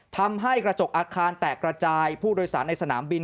ทำให้กระจกอาคารแตกระจายผู้โดยสารในสนามบิน